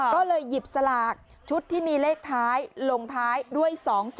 ก็เลยหยิบสลากชุดที่มีเลขท้ายลงท้ายด้วย๒๔